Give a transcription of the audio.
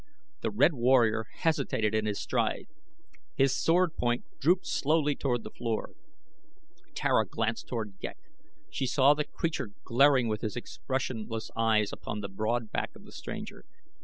The red warrior hesitated in his stride. His sword point drooped slowly toward the floor. Tara glanced toward Ghek. She saw the creature glaring with his expressionless eyes upon the broad back of the stranger.